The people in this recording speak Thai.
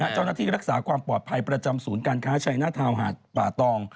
เจ้าหน้าที่รักษาความปลอดภัยประจำศูนย์การค้าชัยหน้าทาวน์หาดป่าตอง